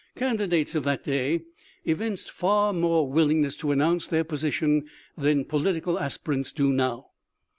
Candidates of that day evinced far more willingness to announce their position than political aspirants do now.